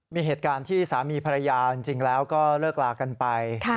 มีเหตุการณ์ที่สามีภรรยาจริงแล้วก็เลิกลากันไป